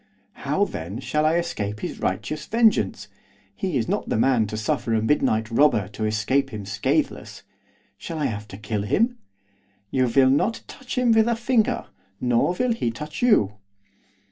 'How, then, shall I escape his righteous vengeance? He is not the man to suffer a midnight robber to escape him scatheless, shall I have to kill him?' 'You will not touch him with a finger, nor will he touch you.